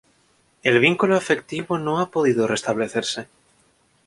El vínculo afectivo no ha podido restablecerse.